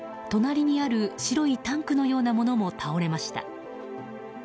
隣にある白いタンクのようなものも倒れました。